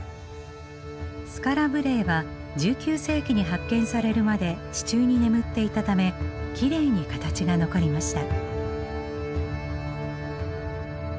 スカラ・ブレエは１９世紀に発見されるまで地中に眠っていたためきれいに形が残りました。